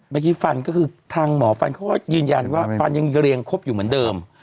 ฟันก็คือทางหมอฟันเขาก็ยืนยันว่าฟันยังเรียงครบอยู่เหมือนเดิม